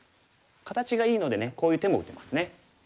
形がいいのでねこういう手も打てますね。